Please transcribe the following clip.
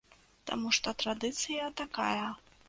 Таму што традыцыя такая.